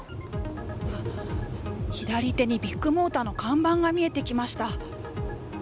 左手にビッグモーターの看板が見えてきました。